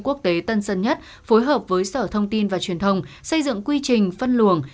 quốc tế tân sơn nhất phối hợp với sở thông tin và truyền thông xây dựng quy trình phân luồng